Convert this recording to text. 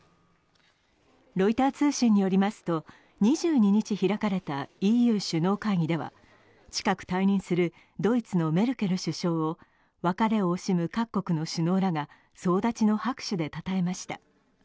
ロイター通信によりますと、２２日開かれたＥＵ首脳会議では近く退任するドイツのメルケル首相を、別れを惜しむ各国の首脳らが総立ちの拍手でたたえました。